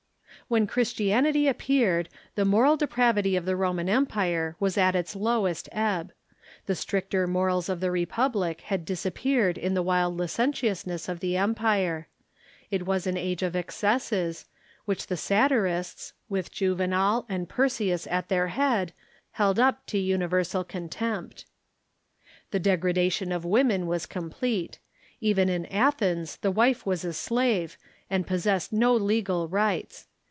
When Christianity appeared, the moral depravity of the Roman Empire was at its lowest ebb. The stricter morals of the republic had disappeared in the wild licentiousness of the empire. It was an age of excesses, which the satirists, with Juvenal and Persius at their head, held up to universal con tempt. The degradation of women was complete. Even in Athens the wife Avas a slave, and possessed no legal rights.